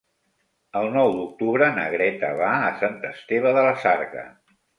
El nou d'octubre na Greta va a Sant Esteve de la Sarga.